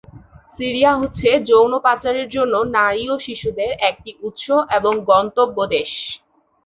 Syria হচ্ছে যৌন পাচারের জন্য নারী ও শিশুদের জন্য একটি উৎস এবং গন্তব্য দেশ।